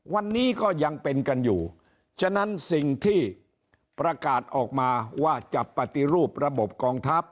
วันนี้ก็ยังเป็นกันอยู่ฉะนั้นสิ่งที่ประกาศออกมาว่าจะปฏิรูประบบกองทัพ